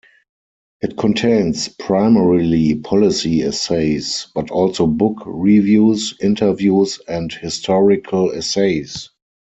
It contains primarily policy essays, but also book reviews, interviews, and historical essays.